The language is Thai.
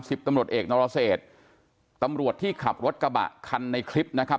ตำรวจเอกนรเศษตำรวจที่ขับรถกระบะคันในคลิปนะครับ